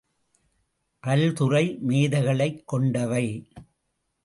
பல்துறை மேதைகளைக் கொண்டவை.